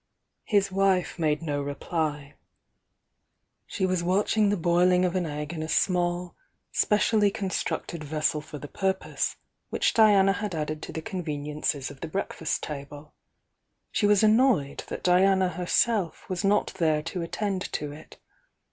His wife made no reply. She was watching the boiling of an egg in a small, specially constructed vessel for the purpose, which Diana had added to the conveniences of the breakfast table. She was annoyed that Diana herself was not there to attend to it.